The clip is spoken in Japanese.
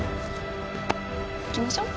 行きましょう。